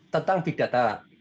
tentang big data